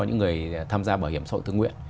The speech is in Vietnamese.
những người tham gia bảo hiểm xã hội tự nguyện